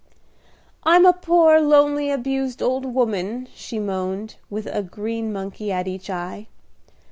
"I'm a poor, lonely, abused old woman," she moaned, with a green monkey at each eye.